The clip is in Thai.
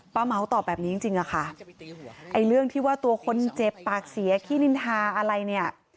เมาส์ตอบแบบนี้จริงจริงอะค่ะไอ้เรื่องที่ว่าตัวคนเจ็บปากเสียขี้นินทาอะไรเนี่ย